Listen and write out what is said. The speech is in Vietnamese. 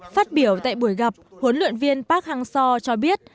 phát biểu tại buổi gặp huấn luyện viên park hang seo cho biết